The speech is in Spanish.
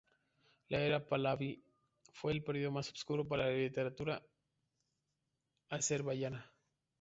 La era Pahlavi fue el período más oscuro para la literatura azerbaiyana.